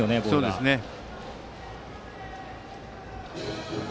そうですね。